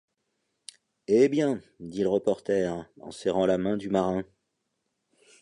Eh bien !… dit le reporter, en serrant la main du marin.